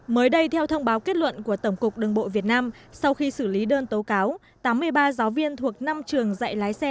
mới đây theo thông báo kết luận của tổng cục đường bộ việt nam sau khi xử lý đơn tố cáo tám mươi ba giáo viên thuộc năm trường dạy lái xe